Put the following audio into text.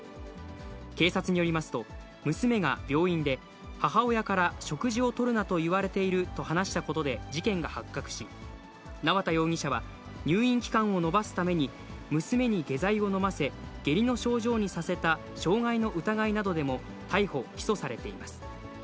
警察によりますと、娘が病院で、母親から食事をとるなと言われていると話したことで、事件が発覚し、縄田容疑者は入院期間を延ばすために娘に下剤を飲ませ、下痢の症状にさせた傷害の疑いなどでも逮捕・起訴されています。